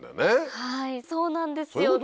はいそうなんですよね。